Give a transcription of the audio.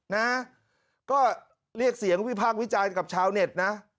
นะก็เรียกเสียงวิภาควิจัยกับชาวเน็ตนะ